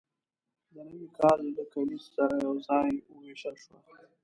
د نوي کال له کلیز سره یوځای وویشل شوه.